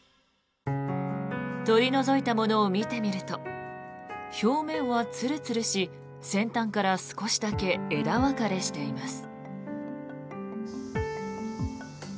取り除いたものを見てみると表面はツルツルし先端から少しだけ枝分かれしています。